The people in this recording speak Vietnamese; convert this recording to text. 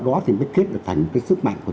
đó thì mới kết được thành cái sức mạnh của